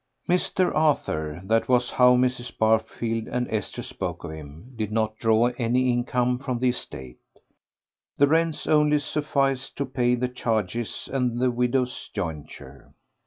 Mr. Arthur that was how Mrs. Barfield and Esther spoke of him did not draw any income from the estate. The rents only sufficed to pay the charges and the widow's jointure.